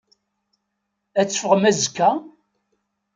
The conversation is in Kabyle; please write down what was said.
Ad teffɣem azekka?